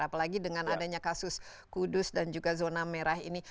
apalagi dengan adanya kasus kudus dan juga zona merah ini